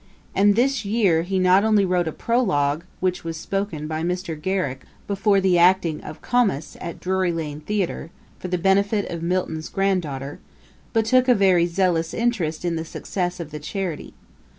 And this year he not only wrote a Prologue, which was spoken by Mr. Garrick before the acting of Comus at Drury lane theatre, for the benefit of Milton's grand daughter, but took a very zealous interest in the success of the charity.